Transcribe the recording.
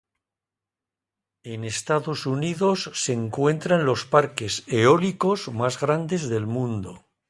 En Estados Unidos se encuentran los parques eólicos más grandes del mundo.